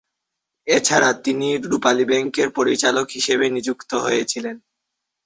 এছাড়া, তিনি রূপালী ব্যাংকের পরিচালক হিসেবে নিযুক্ত হয়েছিলেন।